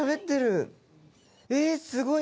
えすごい。